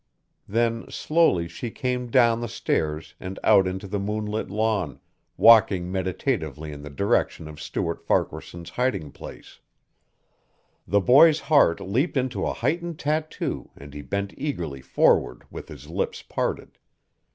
Then slowly she came down the stairs and out onto the moonlit lawn, walking meditatively in the direction of Stuart Farquaharson's hiding place. The boy's heart leaped into a heightened tattoo and he bent eagerly forward with his lips parted.